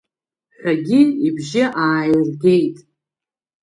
Ҳәагьы ибжьы ааиргеит.